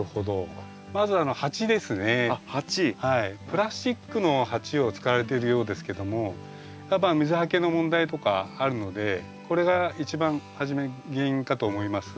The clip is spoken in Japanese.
プラスチックの鉢を使われてるようですけどもやっぱ水はけの問題とかあるのでこれが一番初め原因かと思います。